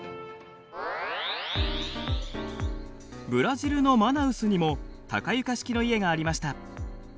ブラジルのマナウスにも高床式の家がありました。